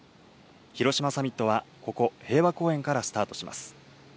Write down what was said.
広島サミットはここ平和公園からスタートします。